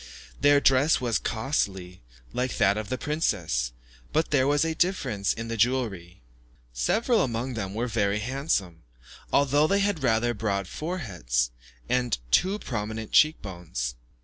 Their dress was costly, like that of the princess, but there was a difference in the jewellery. Several among them were very handsome, although they had rather broad foreheads, and too prominent cheek bones.